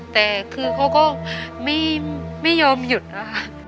แต่คือเขาก็ไม่ยอมหยุดนะคะ